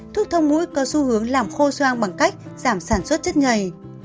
thuốc thông mũi có xu hướng làm khô xoang bằng cách giảm sản xuất chất nhầy